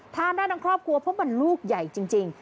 ทานได้ทั้งครอบครัวเพราะมันลูกใหญ่จริง